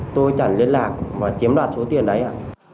tôi chặn liên lạc và chiếm đoạt số tiền đấy ạ